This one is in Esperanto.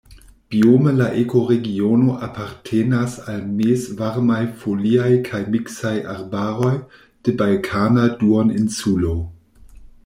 Biome la ekoregiono apartenas al mezvarmaj foliaj kaj miksaj arbaroj de Balkana Duoninsulo.